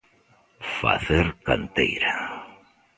Facer canteira.